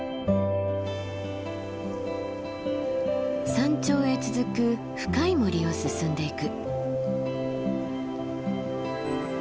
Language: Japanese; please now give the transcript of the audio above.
山頂へ続く深い森を進んでゆく。